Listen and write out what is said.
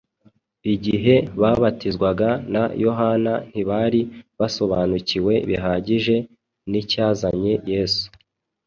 Igihe babatizwaga na Yohana, ntibari basobanukiwe bihagije n’icyazanye Yesu